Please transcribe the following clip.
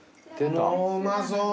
うまそう。